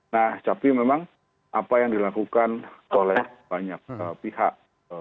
nah tapi memang apa yang dilakukan oleh banyak pihak